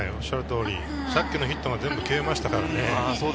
さっきのヒットが全部消えましたからね。